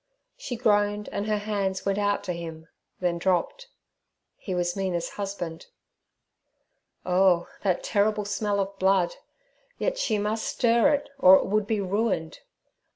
She groaned and her hands went out to him, then dropped; he was Mina's husband. Oh, that terrible smell of blood! Yet she must stir it, or it would be ruined.